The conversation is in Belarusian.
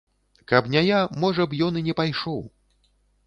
Каб не я, можа б, ён і не пайшоў.